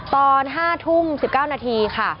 ตอน๕ทุ่ม๑๙นาทีค่ะ